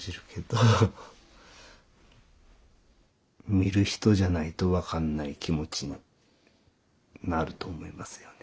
見る人じゃないと分かんない気持ちになると思いますよね